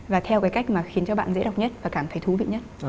và theo cái cách mà khiến cho bạn dễ đọc nhất và cảm thấy thú vị nhất